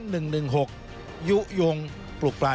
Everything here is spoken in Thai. ส่วนต่างกระโบนการ